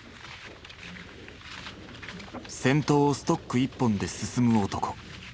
先頭をストック１本で進む男。